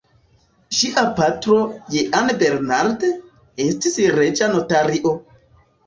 Ŝia patro, Jean Bernard, estis reĝa notario.